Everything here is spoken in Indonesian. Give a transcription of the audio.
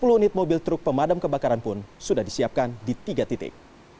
sepuluh unit mobil truk pemadam kebakaran pun sudah disiapkan di tiga titik